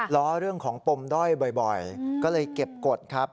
ล้อเรื่องของปมด้อยบ่อยก็เลยเก็บกฎครับ